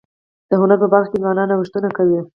د هنر په برخه کي ځوانان نوښتونه کوي.